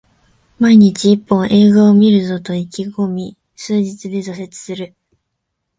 毎日一本、映画を観るぞと意気込み数日で挫折する